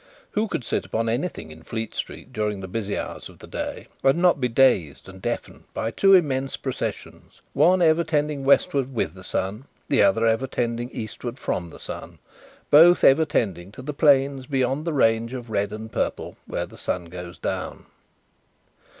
Who could sit upon anything in Fleet street during the busy hours of the day, and not be dazed and deafened by two immense processions, one ever tending westward with the sun, the other ever tending eastward from the sun, both ever tending to the plains beyond the range of red and purple where the sun goes down!